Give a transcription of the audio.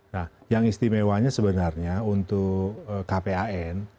nah yang istimewanya sebenarnya untuk kpan